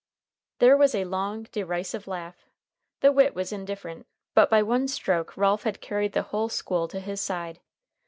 There was a long, derisive laugh. The wit was indifferent, but by one stroke Ralph had carried the whole school to his side.